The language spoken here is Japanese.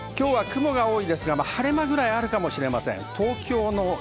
雲が多いですが、晴れ間があるかもしれません。